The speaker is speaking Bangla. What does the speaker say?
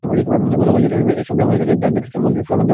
গতকাল ছিল এসব জমা দিয়ে তাঁদের মূল সনদ নেওয়ার শেষ দিন।